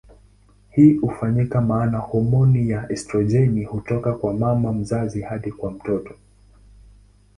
Hii hufanyika maana homoni ya estrojeni hutoka kwa mama mzazi hadi kwa mtoto.